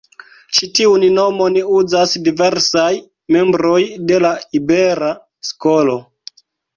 Ĉi tiun nomon uzas diversaj membroj de la Ibera Skolo.